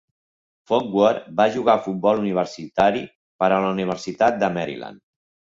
Foxworth va jugar a futbol universitari per a la Universitat de Maryland.